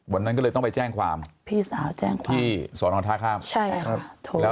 วันนั้นก็เลยต้องไปแจ้งความพี่สาวแจ้งความที่สอนองท่าข้ามใช่ครับ